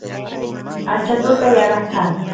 ancha tuta yana kan